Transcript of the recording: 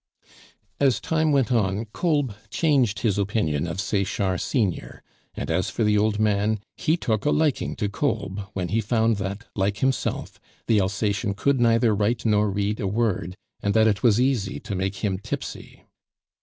As time went on, Kolb changed his opinion of Sechard senior; and as for the old man, he took a liking to Kolb when he found that, like himself, the Alsacien could neither write nor read a word, and that it was easy to make him tipsy.